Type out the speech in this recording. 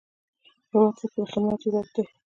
هیواد ته خدمت عزت دی